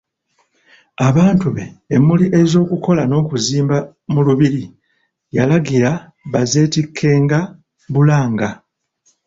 Abantu be, emmuli ez'okukola n'okuzimba mu Lubiri yalagira bazeetikkenga bulanga.